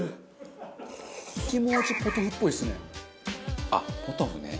気持ちポトフっぽいですね。